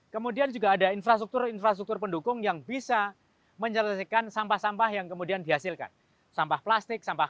kemudian juga ada infrastruktur infrastruktur pendukung yang bisa menjelaskan sampah sampah yang kemudian dikelola mana yang bisa diolah di situ mana yang tidak